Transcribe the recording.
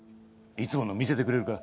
いつもの見せてくれるか？